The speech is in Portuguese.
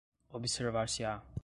observar-se-á